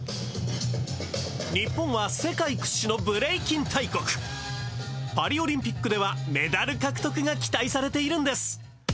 日本は世界屈指のブレイキン大国パリオリンピックではメダル獲得が期待されているんです